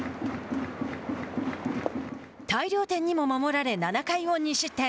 大量点にも守られ７回を２失点。